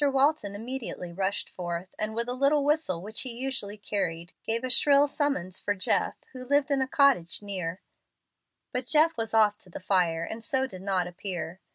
Walton immediately rushed forth, and, with a little whistle which he usually carried, gave a shrill summons for Jeff, who lived in a cottage near. But Jeff was off to the fire, and so did not appear.